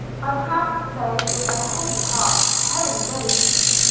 I have, though with a heavy heart, Heaven knows!